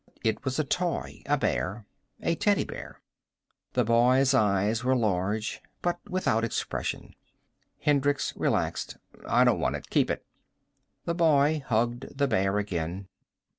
It was a toy, a bear. A teddy bear. The boy's eyes were large, but without expression. Hendricks relaxed. "I don't want it. Keep it." The boy hugged the bear again.